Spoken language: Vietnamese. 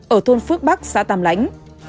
ở thôn phước bắc xã tam lãnh